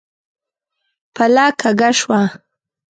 پله کږه شوه.